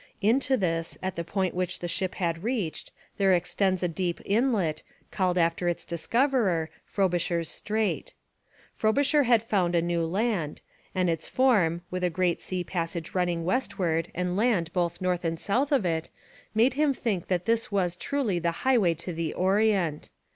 Into this, at the point which the ship had reached, there extends a deep inlet, called after its discoverer, Frobisher's Strait. Frobisher had found a new land, and its form, with a great sea passage running westward and land both north and south of it, made him think that this was truly the highway to the Orient.